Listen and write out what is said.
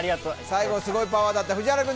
最後すごいパワーだった。